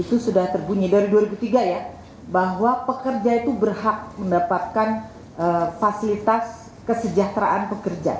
itu sudah terbunyi dari dua ribu tiga ya bahwa pekerja itu berhak mendapatkan fasilitas kesejahteraan pekerja